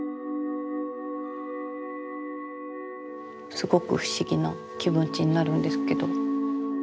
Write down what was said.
すごく不思議な気持ちになるんですけど。